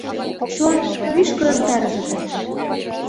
Чон — мӱшкырын тарзыже!